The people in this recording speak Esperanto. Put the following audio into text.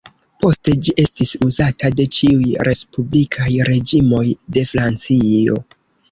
Poste ĝi estis uzata de ĉiuj respublikaj reĝimoj de Francio.